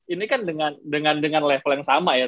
ini kan dengan level yang sama ya